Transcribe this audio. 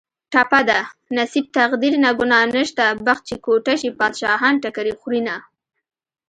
ټپه ده: نصیب تقدیر نه ګناه نشته بخت چې کوټه شي بادشاهان ټکرې خورینه